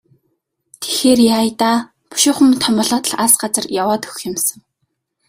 Тэгэхээр яая даа, бушуухан том болоод л алс хол газар яваад өгөх юм сан.